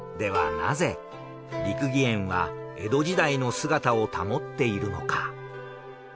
なぜ六義園は江戸時代の姿を保っているのか？